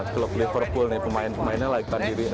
klub liverpool nih pemain pemainnya laikkan diri